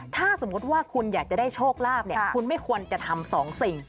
ถ้าสมมุติว่าคุณอยากจะได้โชคลาภเนี่ยคุณไม่ควรจะทำสองสิ่ง